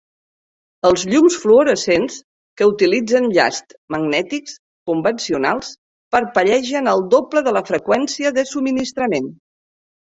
Els llums fluorescents que utilitzen llasts magnètics convencionals parpellegen al doble de la freqüència de subministrament.